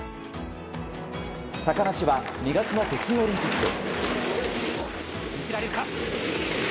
高梨は２月の北京オリンピック。